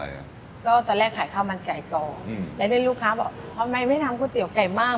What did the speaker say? ก็ตอนแรกขายข้าวมันไก่ก่อนอืมแล้วได้ลูกค้าบอกทำไมไม่ทำก๋วเตี๋ยไก่มาก